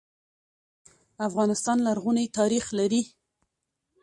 افغانستان لرغونی ناریخ لري.